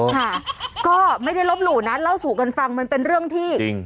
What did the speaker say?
ค่ะก็ไม่ได้ลบหลู่นะเล่าสู่กันฟังมันเป็นเรื่องที่จริง